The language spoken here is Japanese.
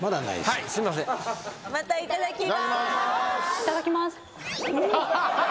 いただきます。